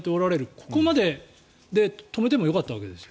ここまでで止めてもよかったわけです。